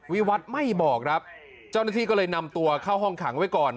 วิวัตรไม่บอกครับเจ้าหน้าที่ก็เลยนำตัวเข้าห้องขังไว้ก่อน